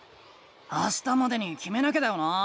あしたまでにきめなきゃだよな？